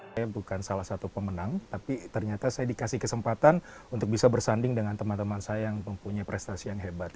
saya bukan salah satu pemenang tapi ternyata saya dikasih kesempatan untuk bisa bersanding dengan teman teman saya yang mempunyai prestasi yang hebat